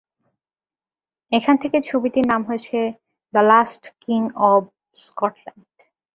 এখান থেকেই ছবিটির নাম হয়েছে "the last king of Scotland."